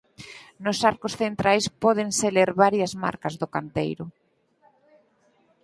Nos arcos centrais pódense ler varias marcas do canteiro.